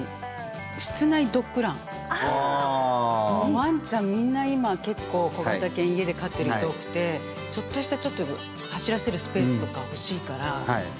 ワンちゃんみんな今結構小型犬家で飼ってる人多くてちょっとした走らせるスペースとか欲しいから。